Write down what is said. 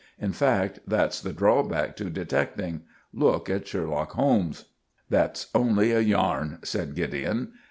In fact, that's the drawback to detecting. Look at Sherlock Holmes." "That's only a yarn," said Gideon.